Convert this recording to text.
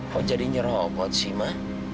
kok jadi nyerobot sih mah